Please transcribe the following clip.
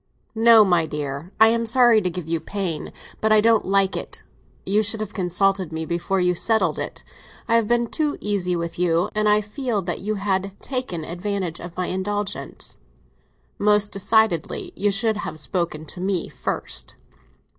"No, my dear. I am sorry to give you pain; but I don't like it. You should have consulted me before you settled it. I have been too easy with you, and I feel as if you had taken advantage of my indulgence. Most decidedly, you should have spoken to me first."